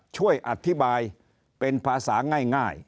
ช่วยอธิบายเป็นภาษาง่าย